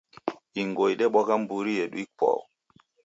Ingo idebwagha mburi yedu ipwau.